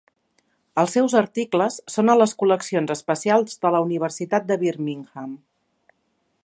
Els seus articles són a les col·leccions especials de la Universitat de Birmingham.